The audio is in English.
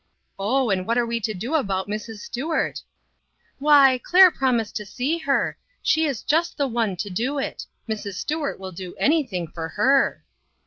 " Oh, and what are we to do about Mrs. Stuart?" "Why, Claire promised to see her. She is just the one to do it. Mrs. Stuart will do anything for her."